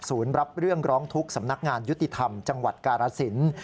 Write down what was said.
รับเรื่องร้องทุกข์สำนักงานยุติธรรมจังหวัดกาลสิน